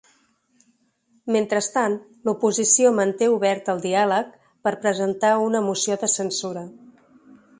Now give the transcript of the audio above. Mentrestant, l’oposició manté obert el diàleg per a presentar una moció de censura.